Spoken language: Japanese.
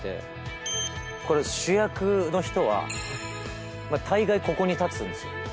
これ主役の人は大概ここに立つんですよ。